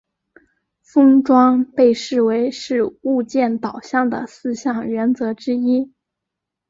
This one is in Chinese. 封装被视为是物件导向的四项原则之一。